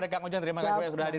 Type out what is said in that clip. kami akan kembali